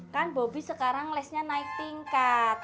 kan bobby sekarang lesnya naik tingkat